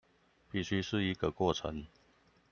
必須是一個過程